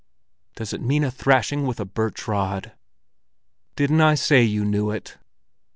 "Does it mean a thrashing with a birch rod?" "Didn't I say you knew it?"